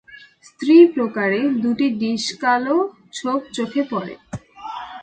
স্ত্রী প্রকারে, দুটি ডিসকাল ছোপ চোখে পড়ে।